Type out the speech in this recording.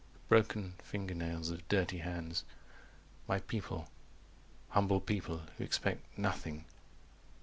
The broken finger nails of dirty hands. My people humble people who expect Nothing."